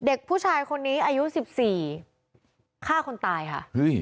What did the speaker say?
เด็กผู้ชายคนนี้อายุสิบสี่ฆ่าคนตายค่ะ